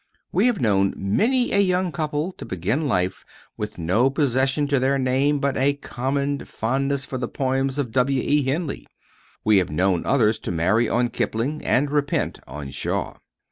We have known many a young couple to begin life with no possession to their name but a common fondness for the poems of W. E. Henley. We have known others to marry on Kipling and repent on Shaw.